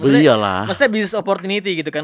maksudnya bisnis opportunity gitu kan